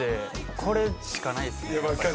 これしかないっすね。